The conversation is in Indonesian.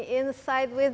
maupun kisah tersebut